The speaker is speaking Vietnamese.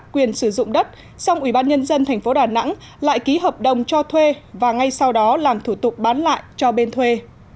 quyền sử dụng đất xong ủy ban nhân dân tp đà nẵng lại ký hợp đồng cho thuê và ngay sau đó làm thủ tục bán lại cho bên thuê